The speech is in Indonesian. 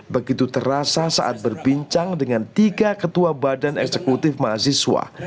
begitu terasa saat berbincang dengan tiga ketua badan eksekutif mahasiswa